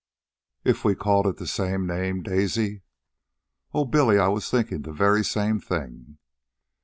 "If we called it the same name, Daisy?" "Oh, Billy! I was thinking the very same thing."